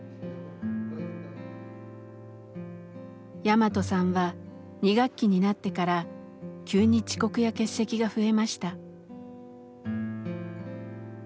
ヤマトさんは２学期になってから急に遅刻や欠席が増えました。